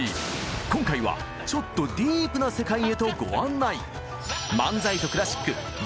今回はちょっとディープな世界へとご案内。